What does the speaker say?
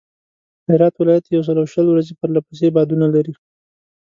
هرات ولایت یوسلوشل ورځي پرله پسې بادونه لري.